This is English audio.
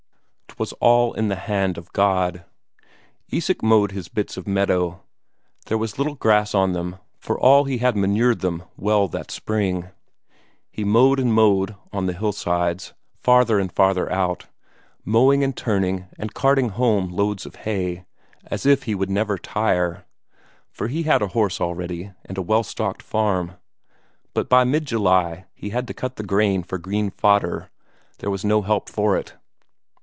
'Twas all in the hand of God. Isak mowed his bits of meadow; there was little grass on them for all he had manured them well that spring. He mowed and mowed on the hillsides, farther and farther out; mowing and turning and carting home loads of hay, as if he would never tire, for he had a horse already, and a well stocked farm. But by mid July he had to cut the corn for green fodder, there was no help for it.